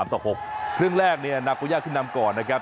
เรื่องแรกเนี่ยนาโกย่าขึ้นนำก่อนนะครับ